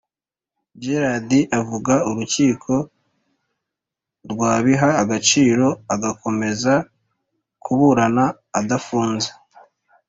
Gérard avuga Urukiko rwabiha agaciro, agakomeza kuburana adafunze